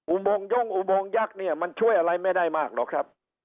โมงย่งอุโมงยักษ์เนี่ยมันช่วยอะไรไม่ได้มากหรอกครับ